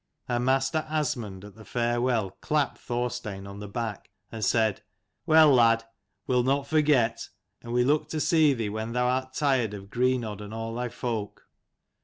And Master Asmund at the farewell clapped Thorstein on the back and said " Well, lad, we'll not forget, and we look to see thee when thou art tired of Greenodd and all thy folk."